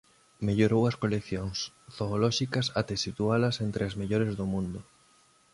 Mellorou as coleccións zoolóxicas até situalas entre as mellores do mundo.